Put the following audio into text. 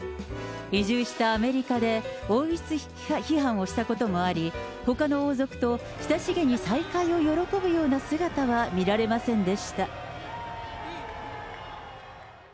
移住したアメリカで、王室批判をしたこともあり、ほかの王族と親しげに再会を喜ぶような姿は見られませんでした。